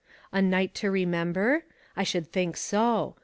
A night to remember? I should think so.